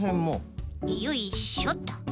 よいしょと。